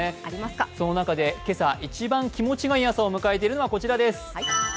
その中で今朝、一番気持ちのいい朝を迎えているのは、こちらです。